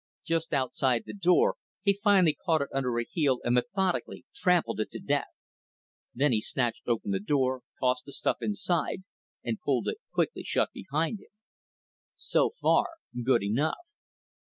Just outside the door, he finally caught it under a heel and methodically trampled it to death. Then he snatched open the door, tossed the stuff inside, and pulled it quickly shut behind him. So far, good enough.